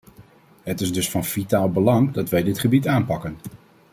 Het is dus van vitaal belang dat wij dit gebied aanpakken.